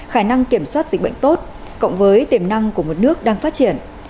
khả năng kiểm soát dịch bệnh tốt cộng với tiềm năng của một nước đang phát triển